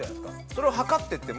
それを測っていっても。